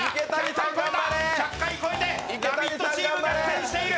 １００回超えて、「ラヴィット！」チーム逆転している。